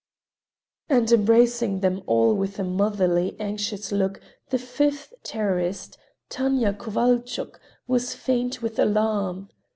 And embracing them all with a motherly, anxious look, the fifth terrorist, Tanya Kovalchuk, was faint with alarm.